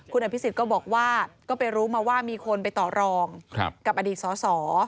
คุณอพิสิทธิ์ก็ไปรู้มาว่ามีคนไปต่อรองกับอดีตสส